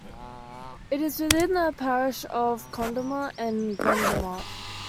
It is within the parish of Clondermott and Glendermott.